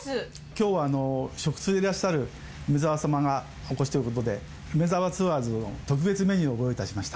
今日は食通でいらっしゃる梅沢さまがお越しということで『梅沢ツアーズ』の特別メニューをご用意いたしました。